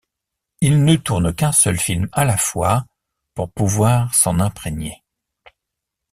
Il ne tourne qu'un seul film à la fois pour pouvoir s'en imprégner.